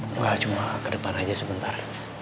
bukan cuma ke depan aja sebentar